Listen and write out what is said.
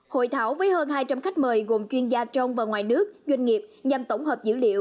hội thảo với hơn hai trăm linh khách mời gồm chuyên gia trong và ngoài nước doanh nghiệp nhằm tổng hợp dữ liệu